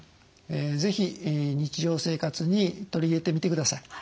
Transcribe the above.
是非日常生活に取り入れてみてください。